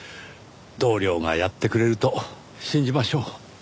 同僚がやってくれると信じましょう。